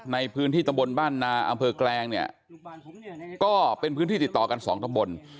ในพื้นที่ตำบลบ้านนาอำเภอแกลงเนี่ยก็เป็นพื้นที่ติดต่อกันสองตำบล